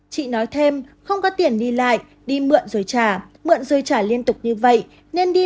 chị nói thêm không có tiền đi lại đi mượn rồi trả mượn rồi trả liên tục như vậy nên đi